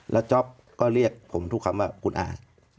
แล้วจ๊อปก็เรียกผมทุกคำว่าคุณอา